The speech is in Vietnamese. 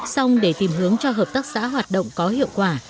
xong để tìm hướng cho hợp tác xã hoạt động có hiệu quả